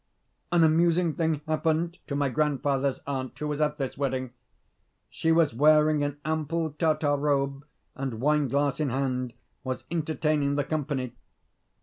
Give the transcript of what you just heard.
An amusing thing happened to my grandfather's aunt, who was at this wedding. She was wearing an ample Tatar robe, and, wine glass in hand, was entertaining the company.